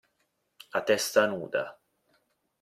A testa nuda.